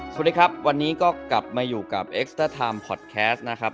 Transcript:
สวัสดีครับวันนี้ก็กลับมาอยู่กับเอ็กซ์เตอร์ไทม์พอดแคสต์นะครับ